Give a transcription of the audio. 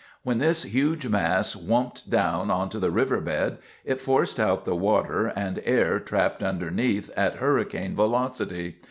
When this huge mass whomped down onto the river bed, it forced out the water and air trapped underneath at hurricane velocity.